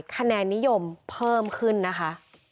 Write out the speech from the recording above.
คะแนนนิยมเพิ่มขึ้นนะคะ